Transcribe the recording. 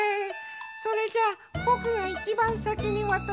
それじゃあぼくがいちばんさきにわたるよ。